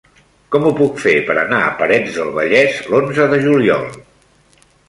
Com ho puc fer per anar a Parets del Vallès l'onze de juliol?